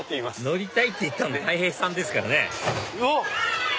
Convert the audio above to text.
乗りたいって言ったのたい平さんですからねうわっ！